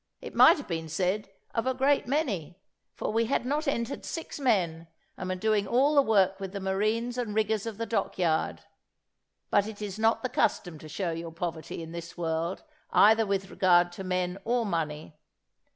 It might have been said, of a great many; for we had not entered six men, and were doing all the work with the marines and riggers of the dockyard; but it is not the custom to show your poverty in this world either with regard to men or money.